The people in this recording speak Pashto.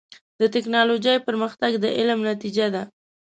د ټکنالوجۍ پرمختګ د علم نتیجه ده.